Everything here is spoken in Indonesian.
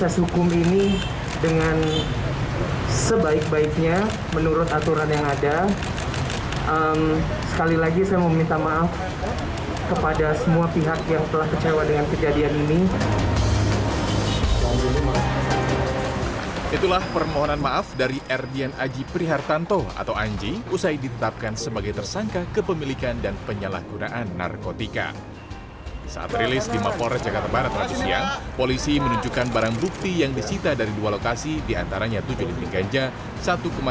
saya akan menjalani proses hukum ini dengan sebaik baiknya menurut aturan yang ada